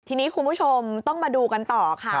ทีนี้คุณผู้ชมต้องมาดูกันต่อค่ะ